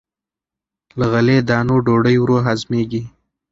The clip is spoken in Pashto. له غلې- دانو ډوډۍ ورو هضمېږي.